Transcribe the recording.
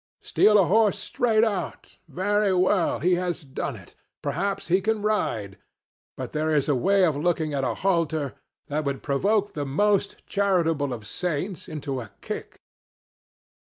Steal a horse straight out. Very well. He has done it. Perhaps he can ride. But there is a way of looking at a halter that would provoke the most charitable of saints into a kick.